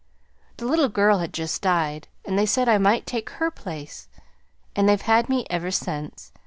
The little girl had just died, and they said I might take her place. And they've had me ever since.